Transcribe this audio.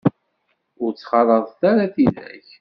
Ur ttxalaḍet ara tidak.